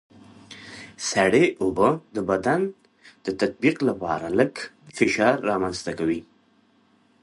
سړه اوبه د بدن د تطبیق لپاره لږ فشار رامنځته کوي.